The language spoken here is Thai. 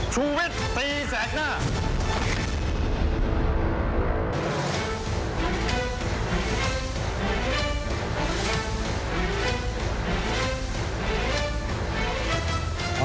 ชุวิตตีแสดหน้า